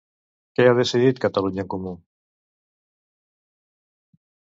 Què ha decidit Catalunya en Comú?